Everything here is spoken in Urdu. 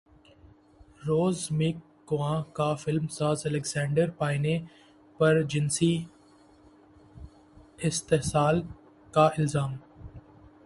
روز میکگواں کا فلم ساز الیگزینڈر پائنے پرجنسی استحصال کا الزام